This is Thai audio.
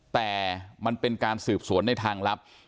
แต่มันเป็นการสืบสวนในทางลับ